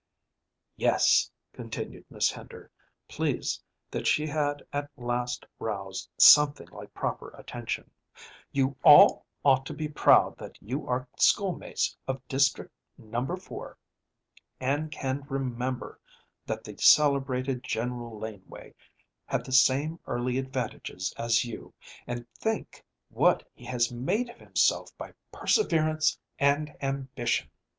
"Yes," continued Miss Hender, pleased that she had at last roused something like proper attention, "you all ought to be proud that you are schoolmates of District Number Four, and can remember that the celebrated General Laneway had the same early advantages as you, and think what he has made of himself by perseverance and ambition."